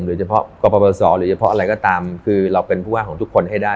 โดยเฉพาะกรปศหรือเฉพาะอะไรก็ตามคือเราเป็นผู้ว่าของทุกคนให้ได้